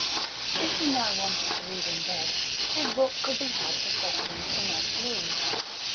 If he now wanted to read in bed, his book could be had for stepping into the next room.